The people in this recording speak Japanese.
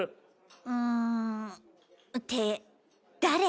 うんって誰？